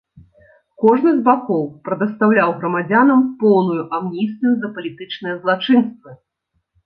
Кожны з бакоў прадастаўляў грамадзянам поўную амністыю за палітычныя злачынствы.